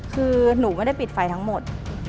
คือหนูไม่ได้ปิดไฟทั้งหมด